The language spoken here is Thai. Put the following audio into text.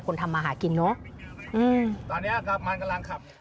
คนทำมาหากินเนอะ